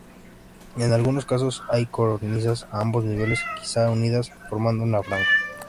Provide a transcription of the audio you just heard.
En algunos casos hay cornisas a ambos niveles, quizá unidas formando una franja.